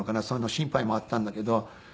そういう心配もあったんだけど。